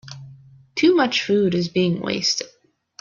Too much food is being wasted.